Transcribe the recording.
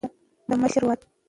د مشر وعده